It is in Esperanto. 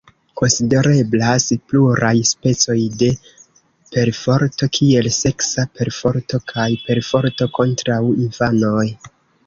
Konsidereblas pluraj specoj de perforto kiel seksa perforto kaj perforto kontraŭ infanoj.